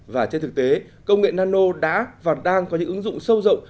và trên thực tế công nghệ nano đã và đang có những ứng dụng sâu rộng